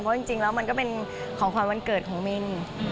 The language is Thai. เพราะจริงแล้วมันก็เป็นของขวัญวันเกิดของมิน